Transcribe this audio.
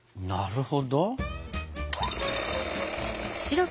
なるほど。